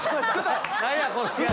何や？